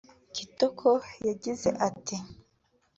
Kitoko yagize ati